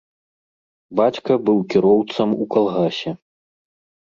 Бацька быў кіроўцам у калгасе.